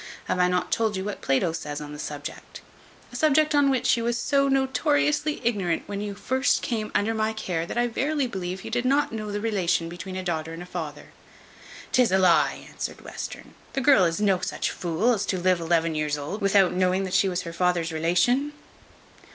Have I not told you what Plato says on that subject? a subject on which you was so notoriously ignorant when you came first under my care, that I verily believe you did not know the relation between a daughter and a father." "'Tis a lie," answered Western. "The girl is no such fool, as to live to eleven years old without knowing that she was her father's relation."